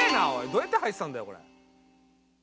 どうやって入ってたんだよこれ。